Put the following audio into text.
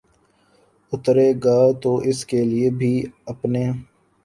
اترے گا تو اس کے لیے بھی اپنے